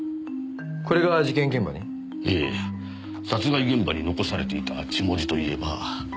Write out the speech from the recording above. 殺害現場に残されていた血文字といえば。